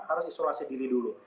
harus isolasi diri dulu